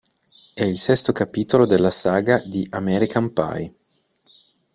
È il sesto capitolo della saga di "American Pie".